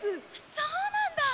そうなんだ！